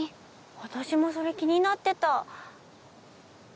私もそれ気になってた。